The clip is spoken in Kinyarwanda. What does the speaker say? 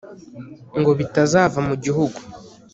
ngo bitazava mu gihugu,